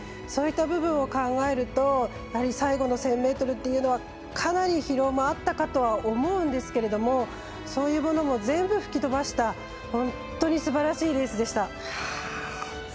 そういった部分を考えると最後の１０００ｍっていうのはかなり、疲労もあったかと思うんですけどそういうものも全部吹き飛ばした本当にすばらしいレースでした。